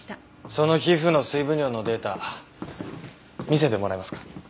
その皮膚の水分量のデータ見せてもらえますか？